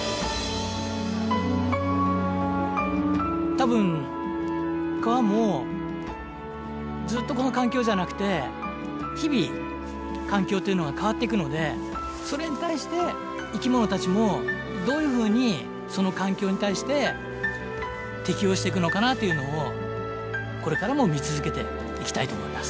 たぶん川もずっとこの環境じゃなくて日々環境というのは変わっていくのでそれに対して生きものたちもどういうふうにその環境に対して適応していくのかなというのをこれからも見続けていきたいと思います。